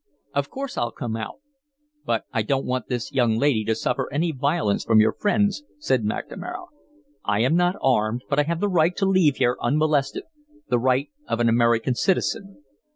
"Of course I'll come out, but I don't want this young lady to suffer any violence from your friends," said McNamara. "I am not armed, but I have the right to leave here unmolested the right of an American citizen."